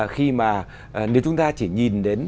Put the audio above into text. khi mà nếu chúng ta chỉ nhìn đến